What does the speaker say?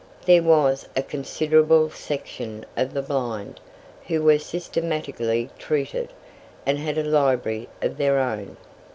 There was a considerable section of the blind, who were systematically treated, and had a library of their own.